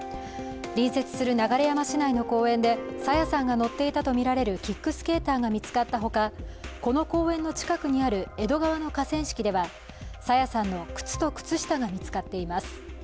隣接する流山市内の公園で朝芽さんが乗っていたとみられるキックスケーターが見つかったほかこの公園の近くにある江戸川の河川敷では朝芽さんの靴と靴下が見つかっています。